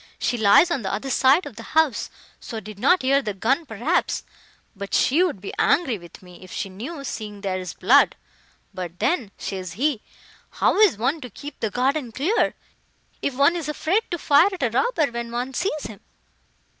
She lies on the other side of the house, so did not hear the gun, perhaps; but she would be angry with me, if she knew, seeing there is blood. But then,' says he, 'how is one to keep the garden clear, if one is afraid to fire at a robber, when one sees him?